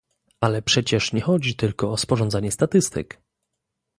Ale przecież nie chodzi tylko o sporządzanie statystyk?